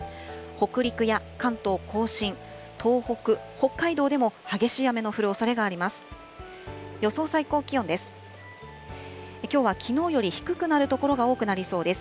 北陸や関東甲信、東北、北海道でも激しい雨の降るおそれがあります。